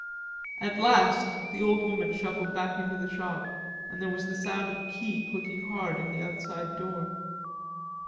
At last the old woman shuffled into the shop and there was the sound of a key clicking hard in the outside door.